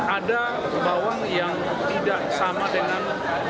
ada bawang yang tidak sama dengan